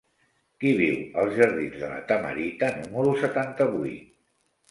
Qui viu als jardins de La Tamarita número setanta-vuit?